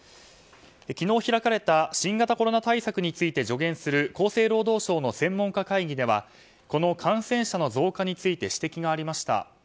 昨日開かれた新型コロナ対策について助言する厚生労働省の専門家会議ではこの感染者の増加について指摘がありました。